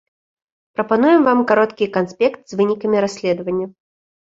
Прапануем вам кароткі канспект з вынікамі расследавання.